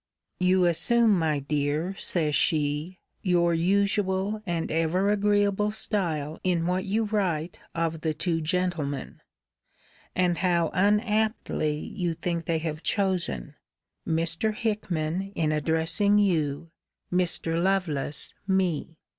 ] You assume, my dear, says she, your usual and ever agreeable style in what you write of the two gentlemen,* and how unaptly you think they have chosen; Mr. Hickman in addressing you, Mr. Lovelace me.